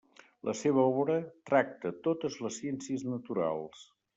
La seva obra tracta totes les ciències naturals.